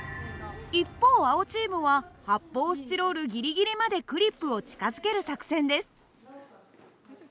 一方青チームは発泡スチロールギリギリまでクリップを近づける作戦です。